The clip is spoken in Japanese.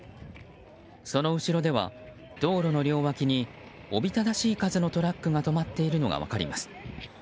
その後ろでは道路の両脇におびただしい数のトラックが止まっているのが分かります。